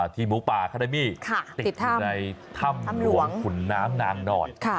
ที่หมูป่าขนาดมีติดในถ้ำหลวงขุนน้ำนามนอน